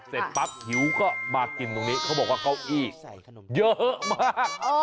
เสร็จปั๊บหิวก็มากินตรงนี้เขาบอกว่าเก้าอี้ใส่ขนมเยอะมาก